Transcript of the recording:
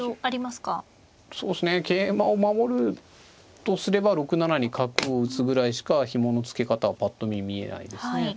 そうですね桂馬を守るとすれば６七に角を打つぐらいしかひもの付け方はぱっと見見えないですね。